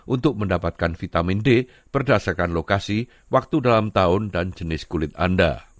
untuk mendapatkan vitamin d berdasarkan lokasi waktu dalam tahun dan jenis kulit anda